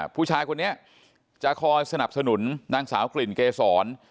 ผู้ชายคนนี้จะคอยสนับสนุนนางสาวกลิ่นเกษร